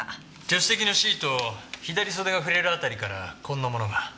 助手席のシート左袖が触れる辺りからこんなものが。